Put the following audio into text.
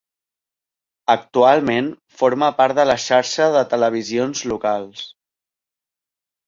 Actualment forma part de la Xarxa de Televisions Locals.